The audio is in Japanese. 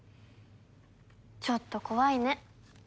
ちょっと怖いね。